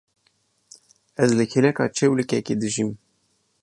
Ez li kêleka çewlikekê dijîm.